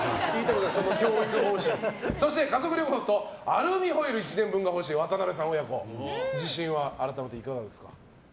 そして家族旅行とアルミホイル１年分が欲しい渡邉さん親子自信はいかがですか？